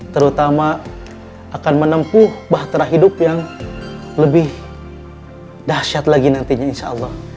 terutama akan menempuh bahtera hidup yang lebih dahsyat lagi nantinya insya allah